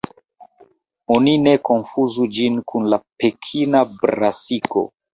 Oni ne konfuzu ĝin kun la Pekina brasiko.